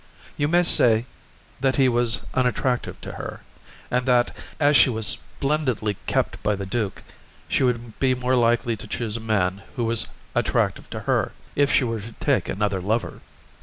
You may say that he was unattractive to her, and that, as she was splendidly kept by the duke, she would be more likely to choose a man who was attractive to her, if she were to take another lover.